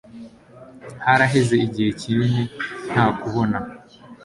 Haraheze igihe kinini ntakubona.